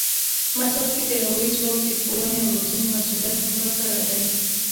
مزار کې د هوايي ځواک د ښوونې او روزنې مسوولیت هم راسره دی.